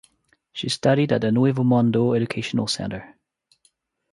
She studied at the Nuevo Mundo Educational Center.